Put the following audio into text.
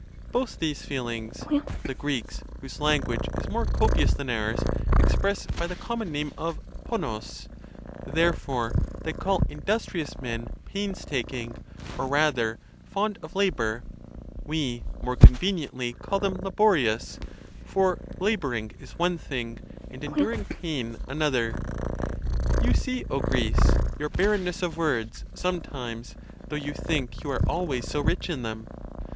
—Both these feelings, the Greeks, whose language is more copious than ours, express by the common name of IIdvoc: therefore they call industrious men painstaking, or, rather, fond of labor ; we, more conveniently, call them laborious; for la | boring is one thing, and enduring pain another. You see, O Greece! your barrenness of words, sometimes, though you think you are always so rich in them.